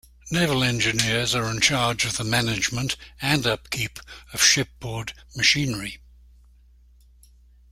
Naval engineers are in charge of the management and upkeep of ship-board machinery.